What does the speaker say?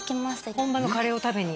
本場のカレーを食べに？